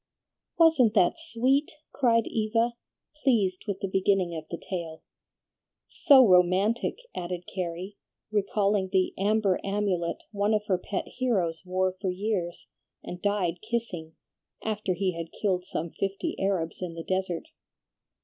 "Wasn't that sweet?" cried Eva, pleased with the beginning of the tale. "So romantic!" added Carrie, recalling the "amber amulet" one of her pet heroes wore for years, and died kissing, after he had killed some fifty Arabs in the desert.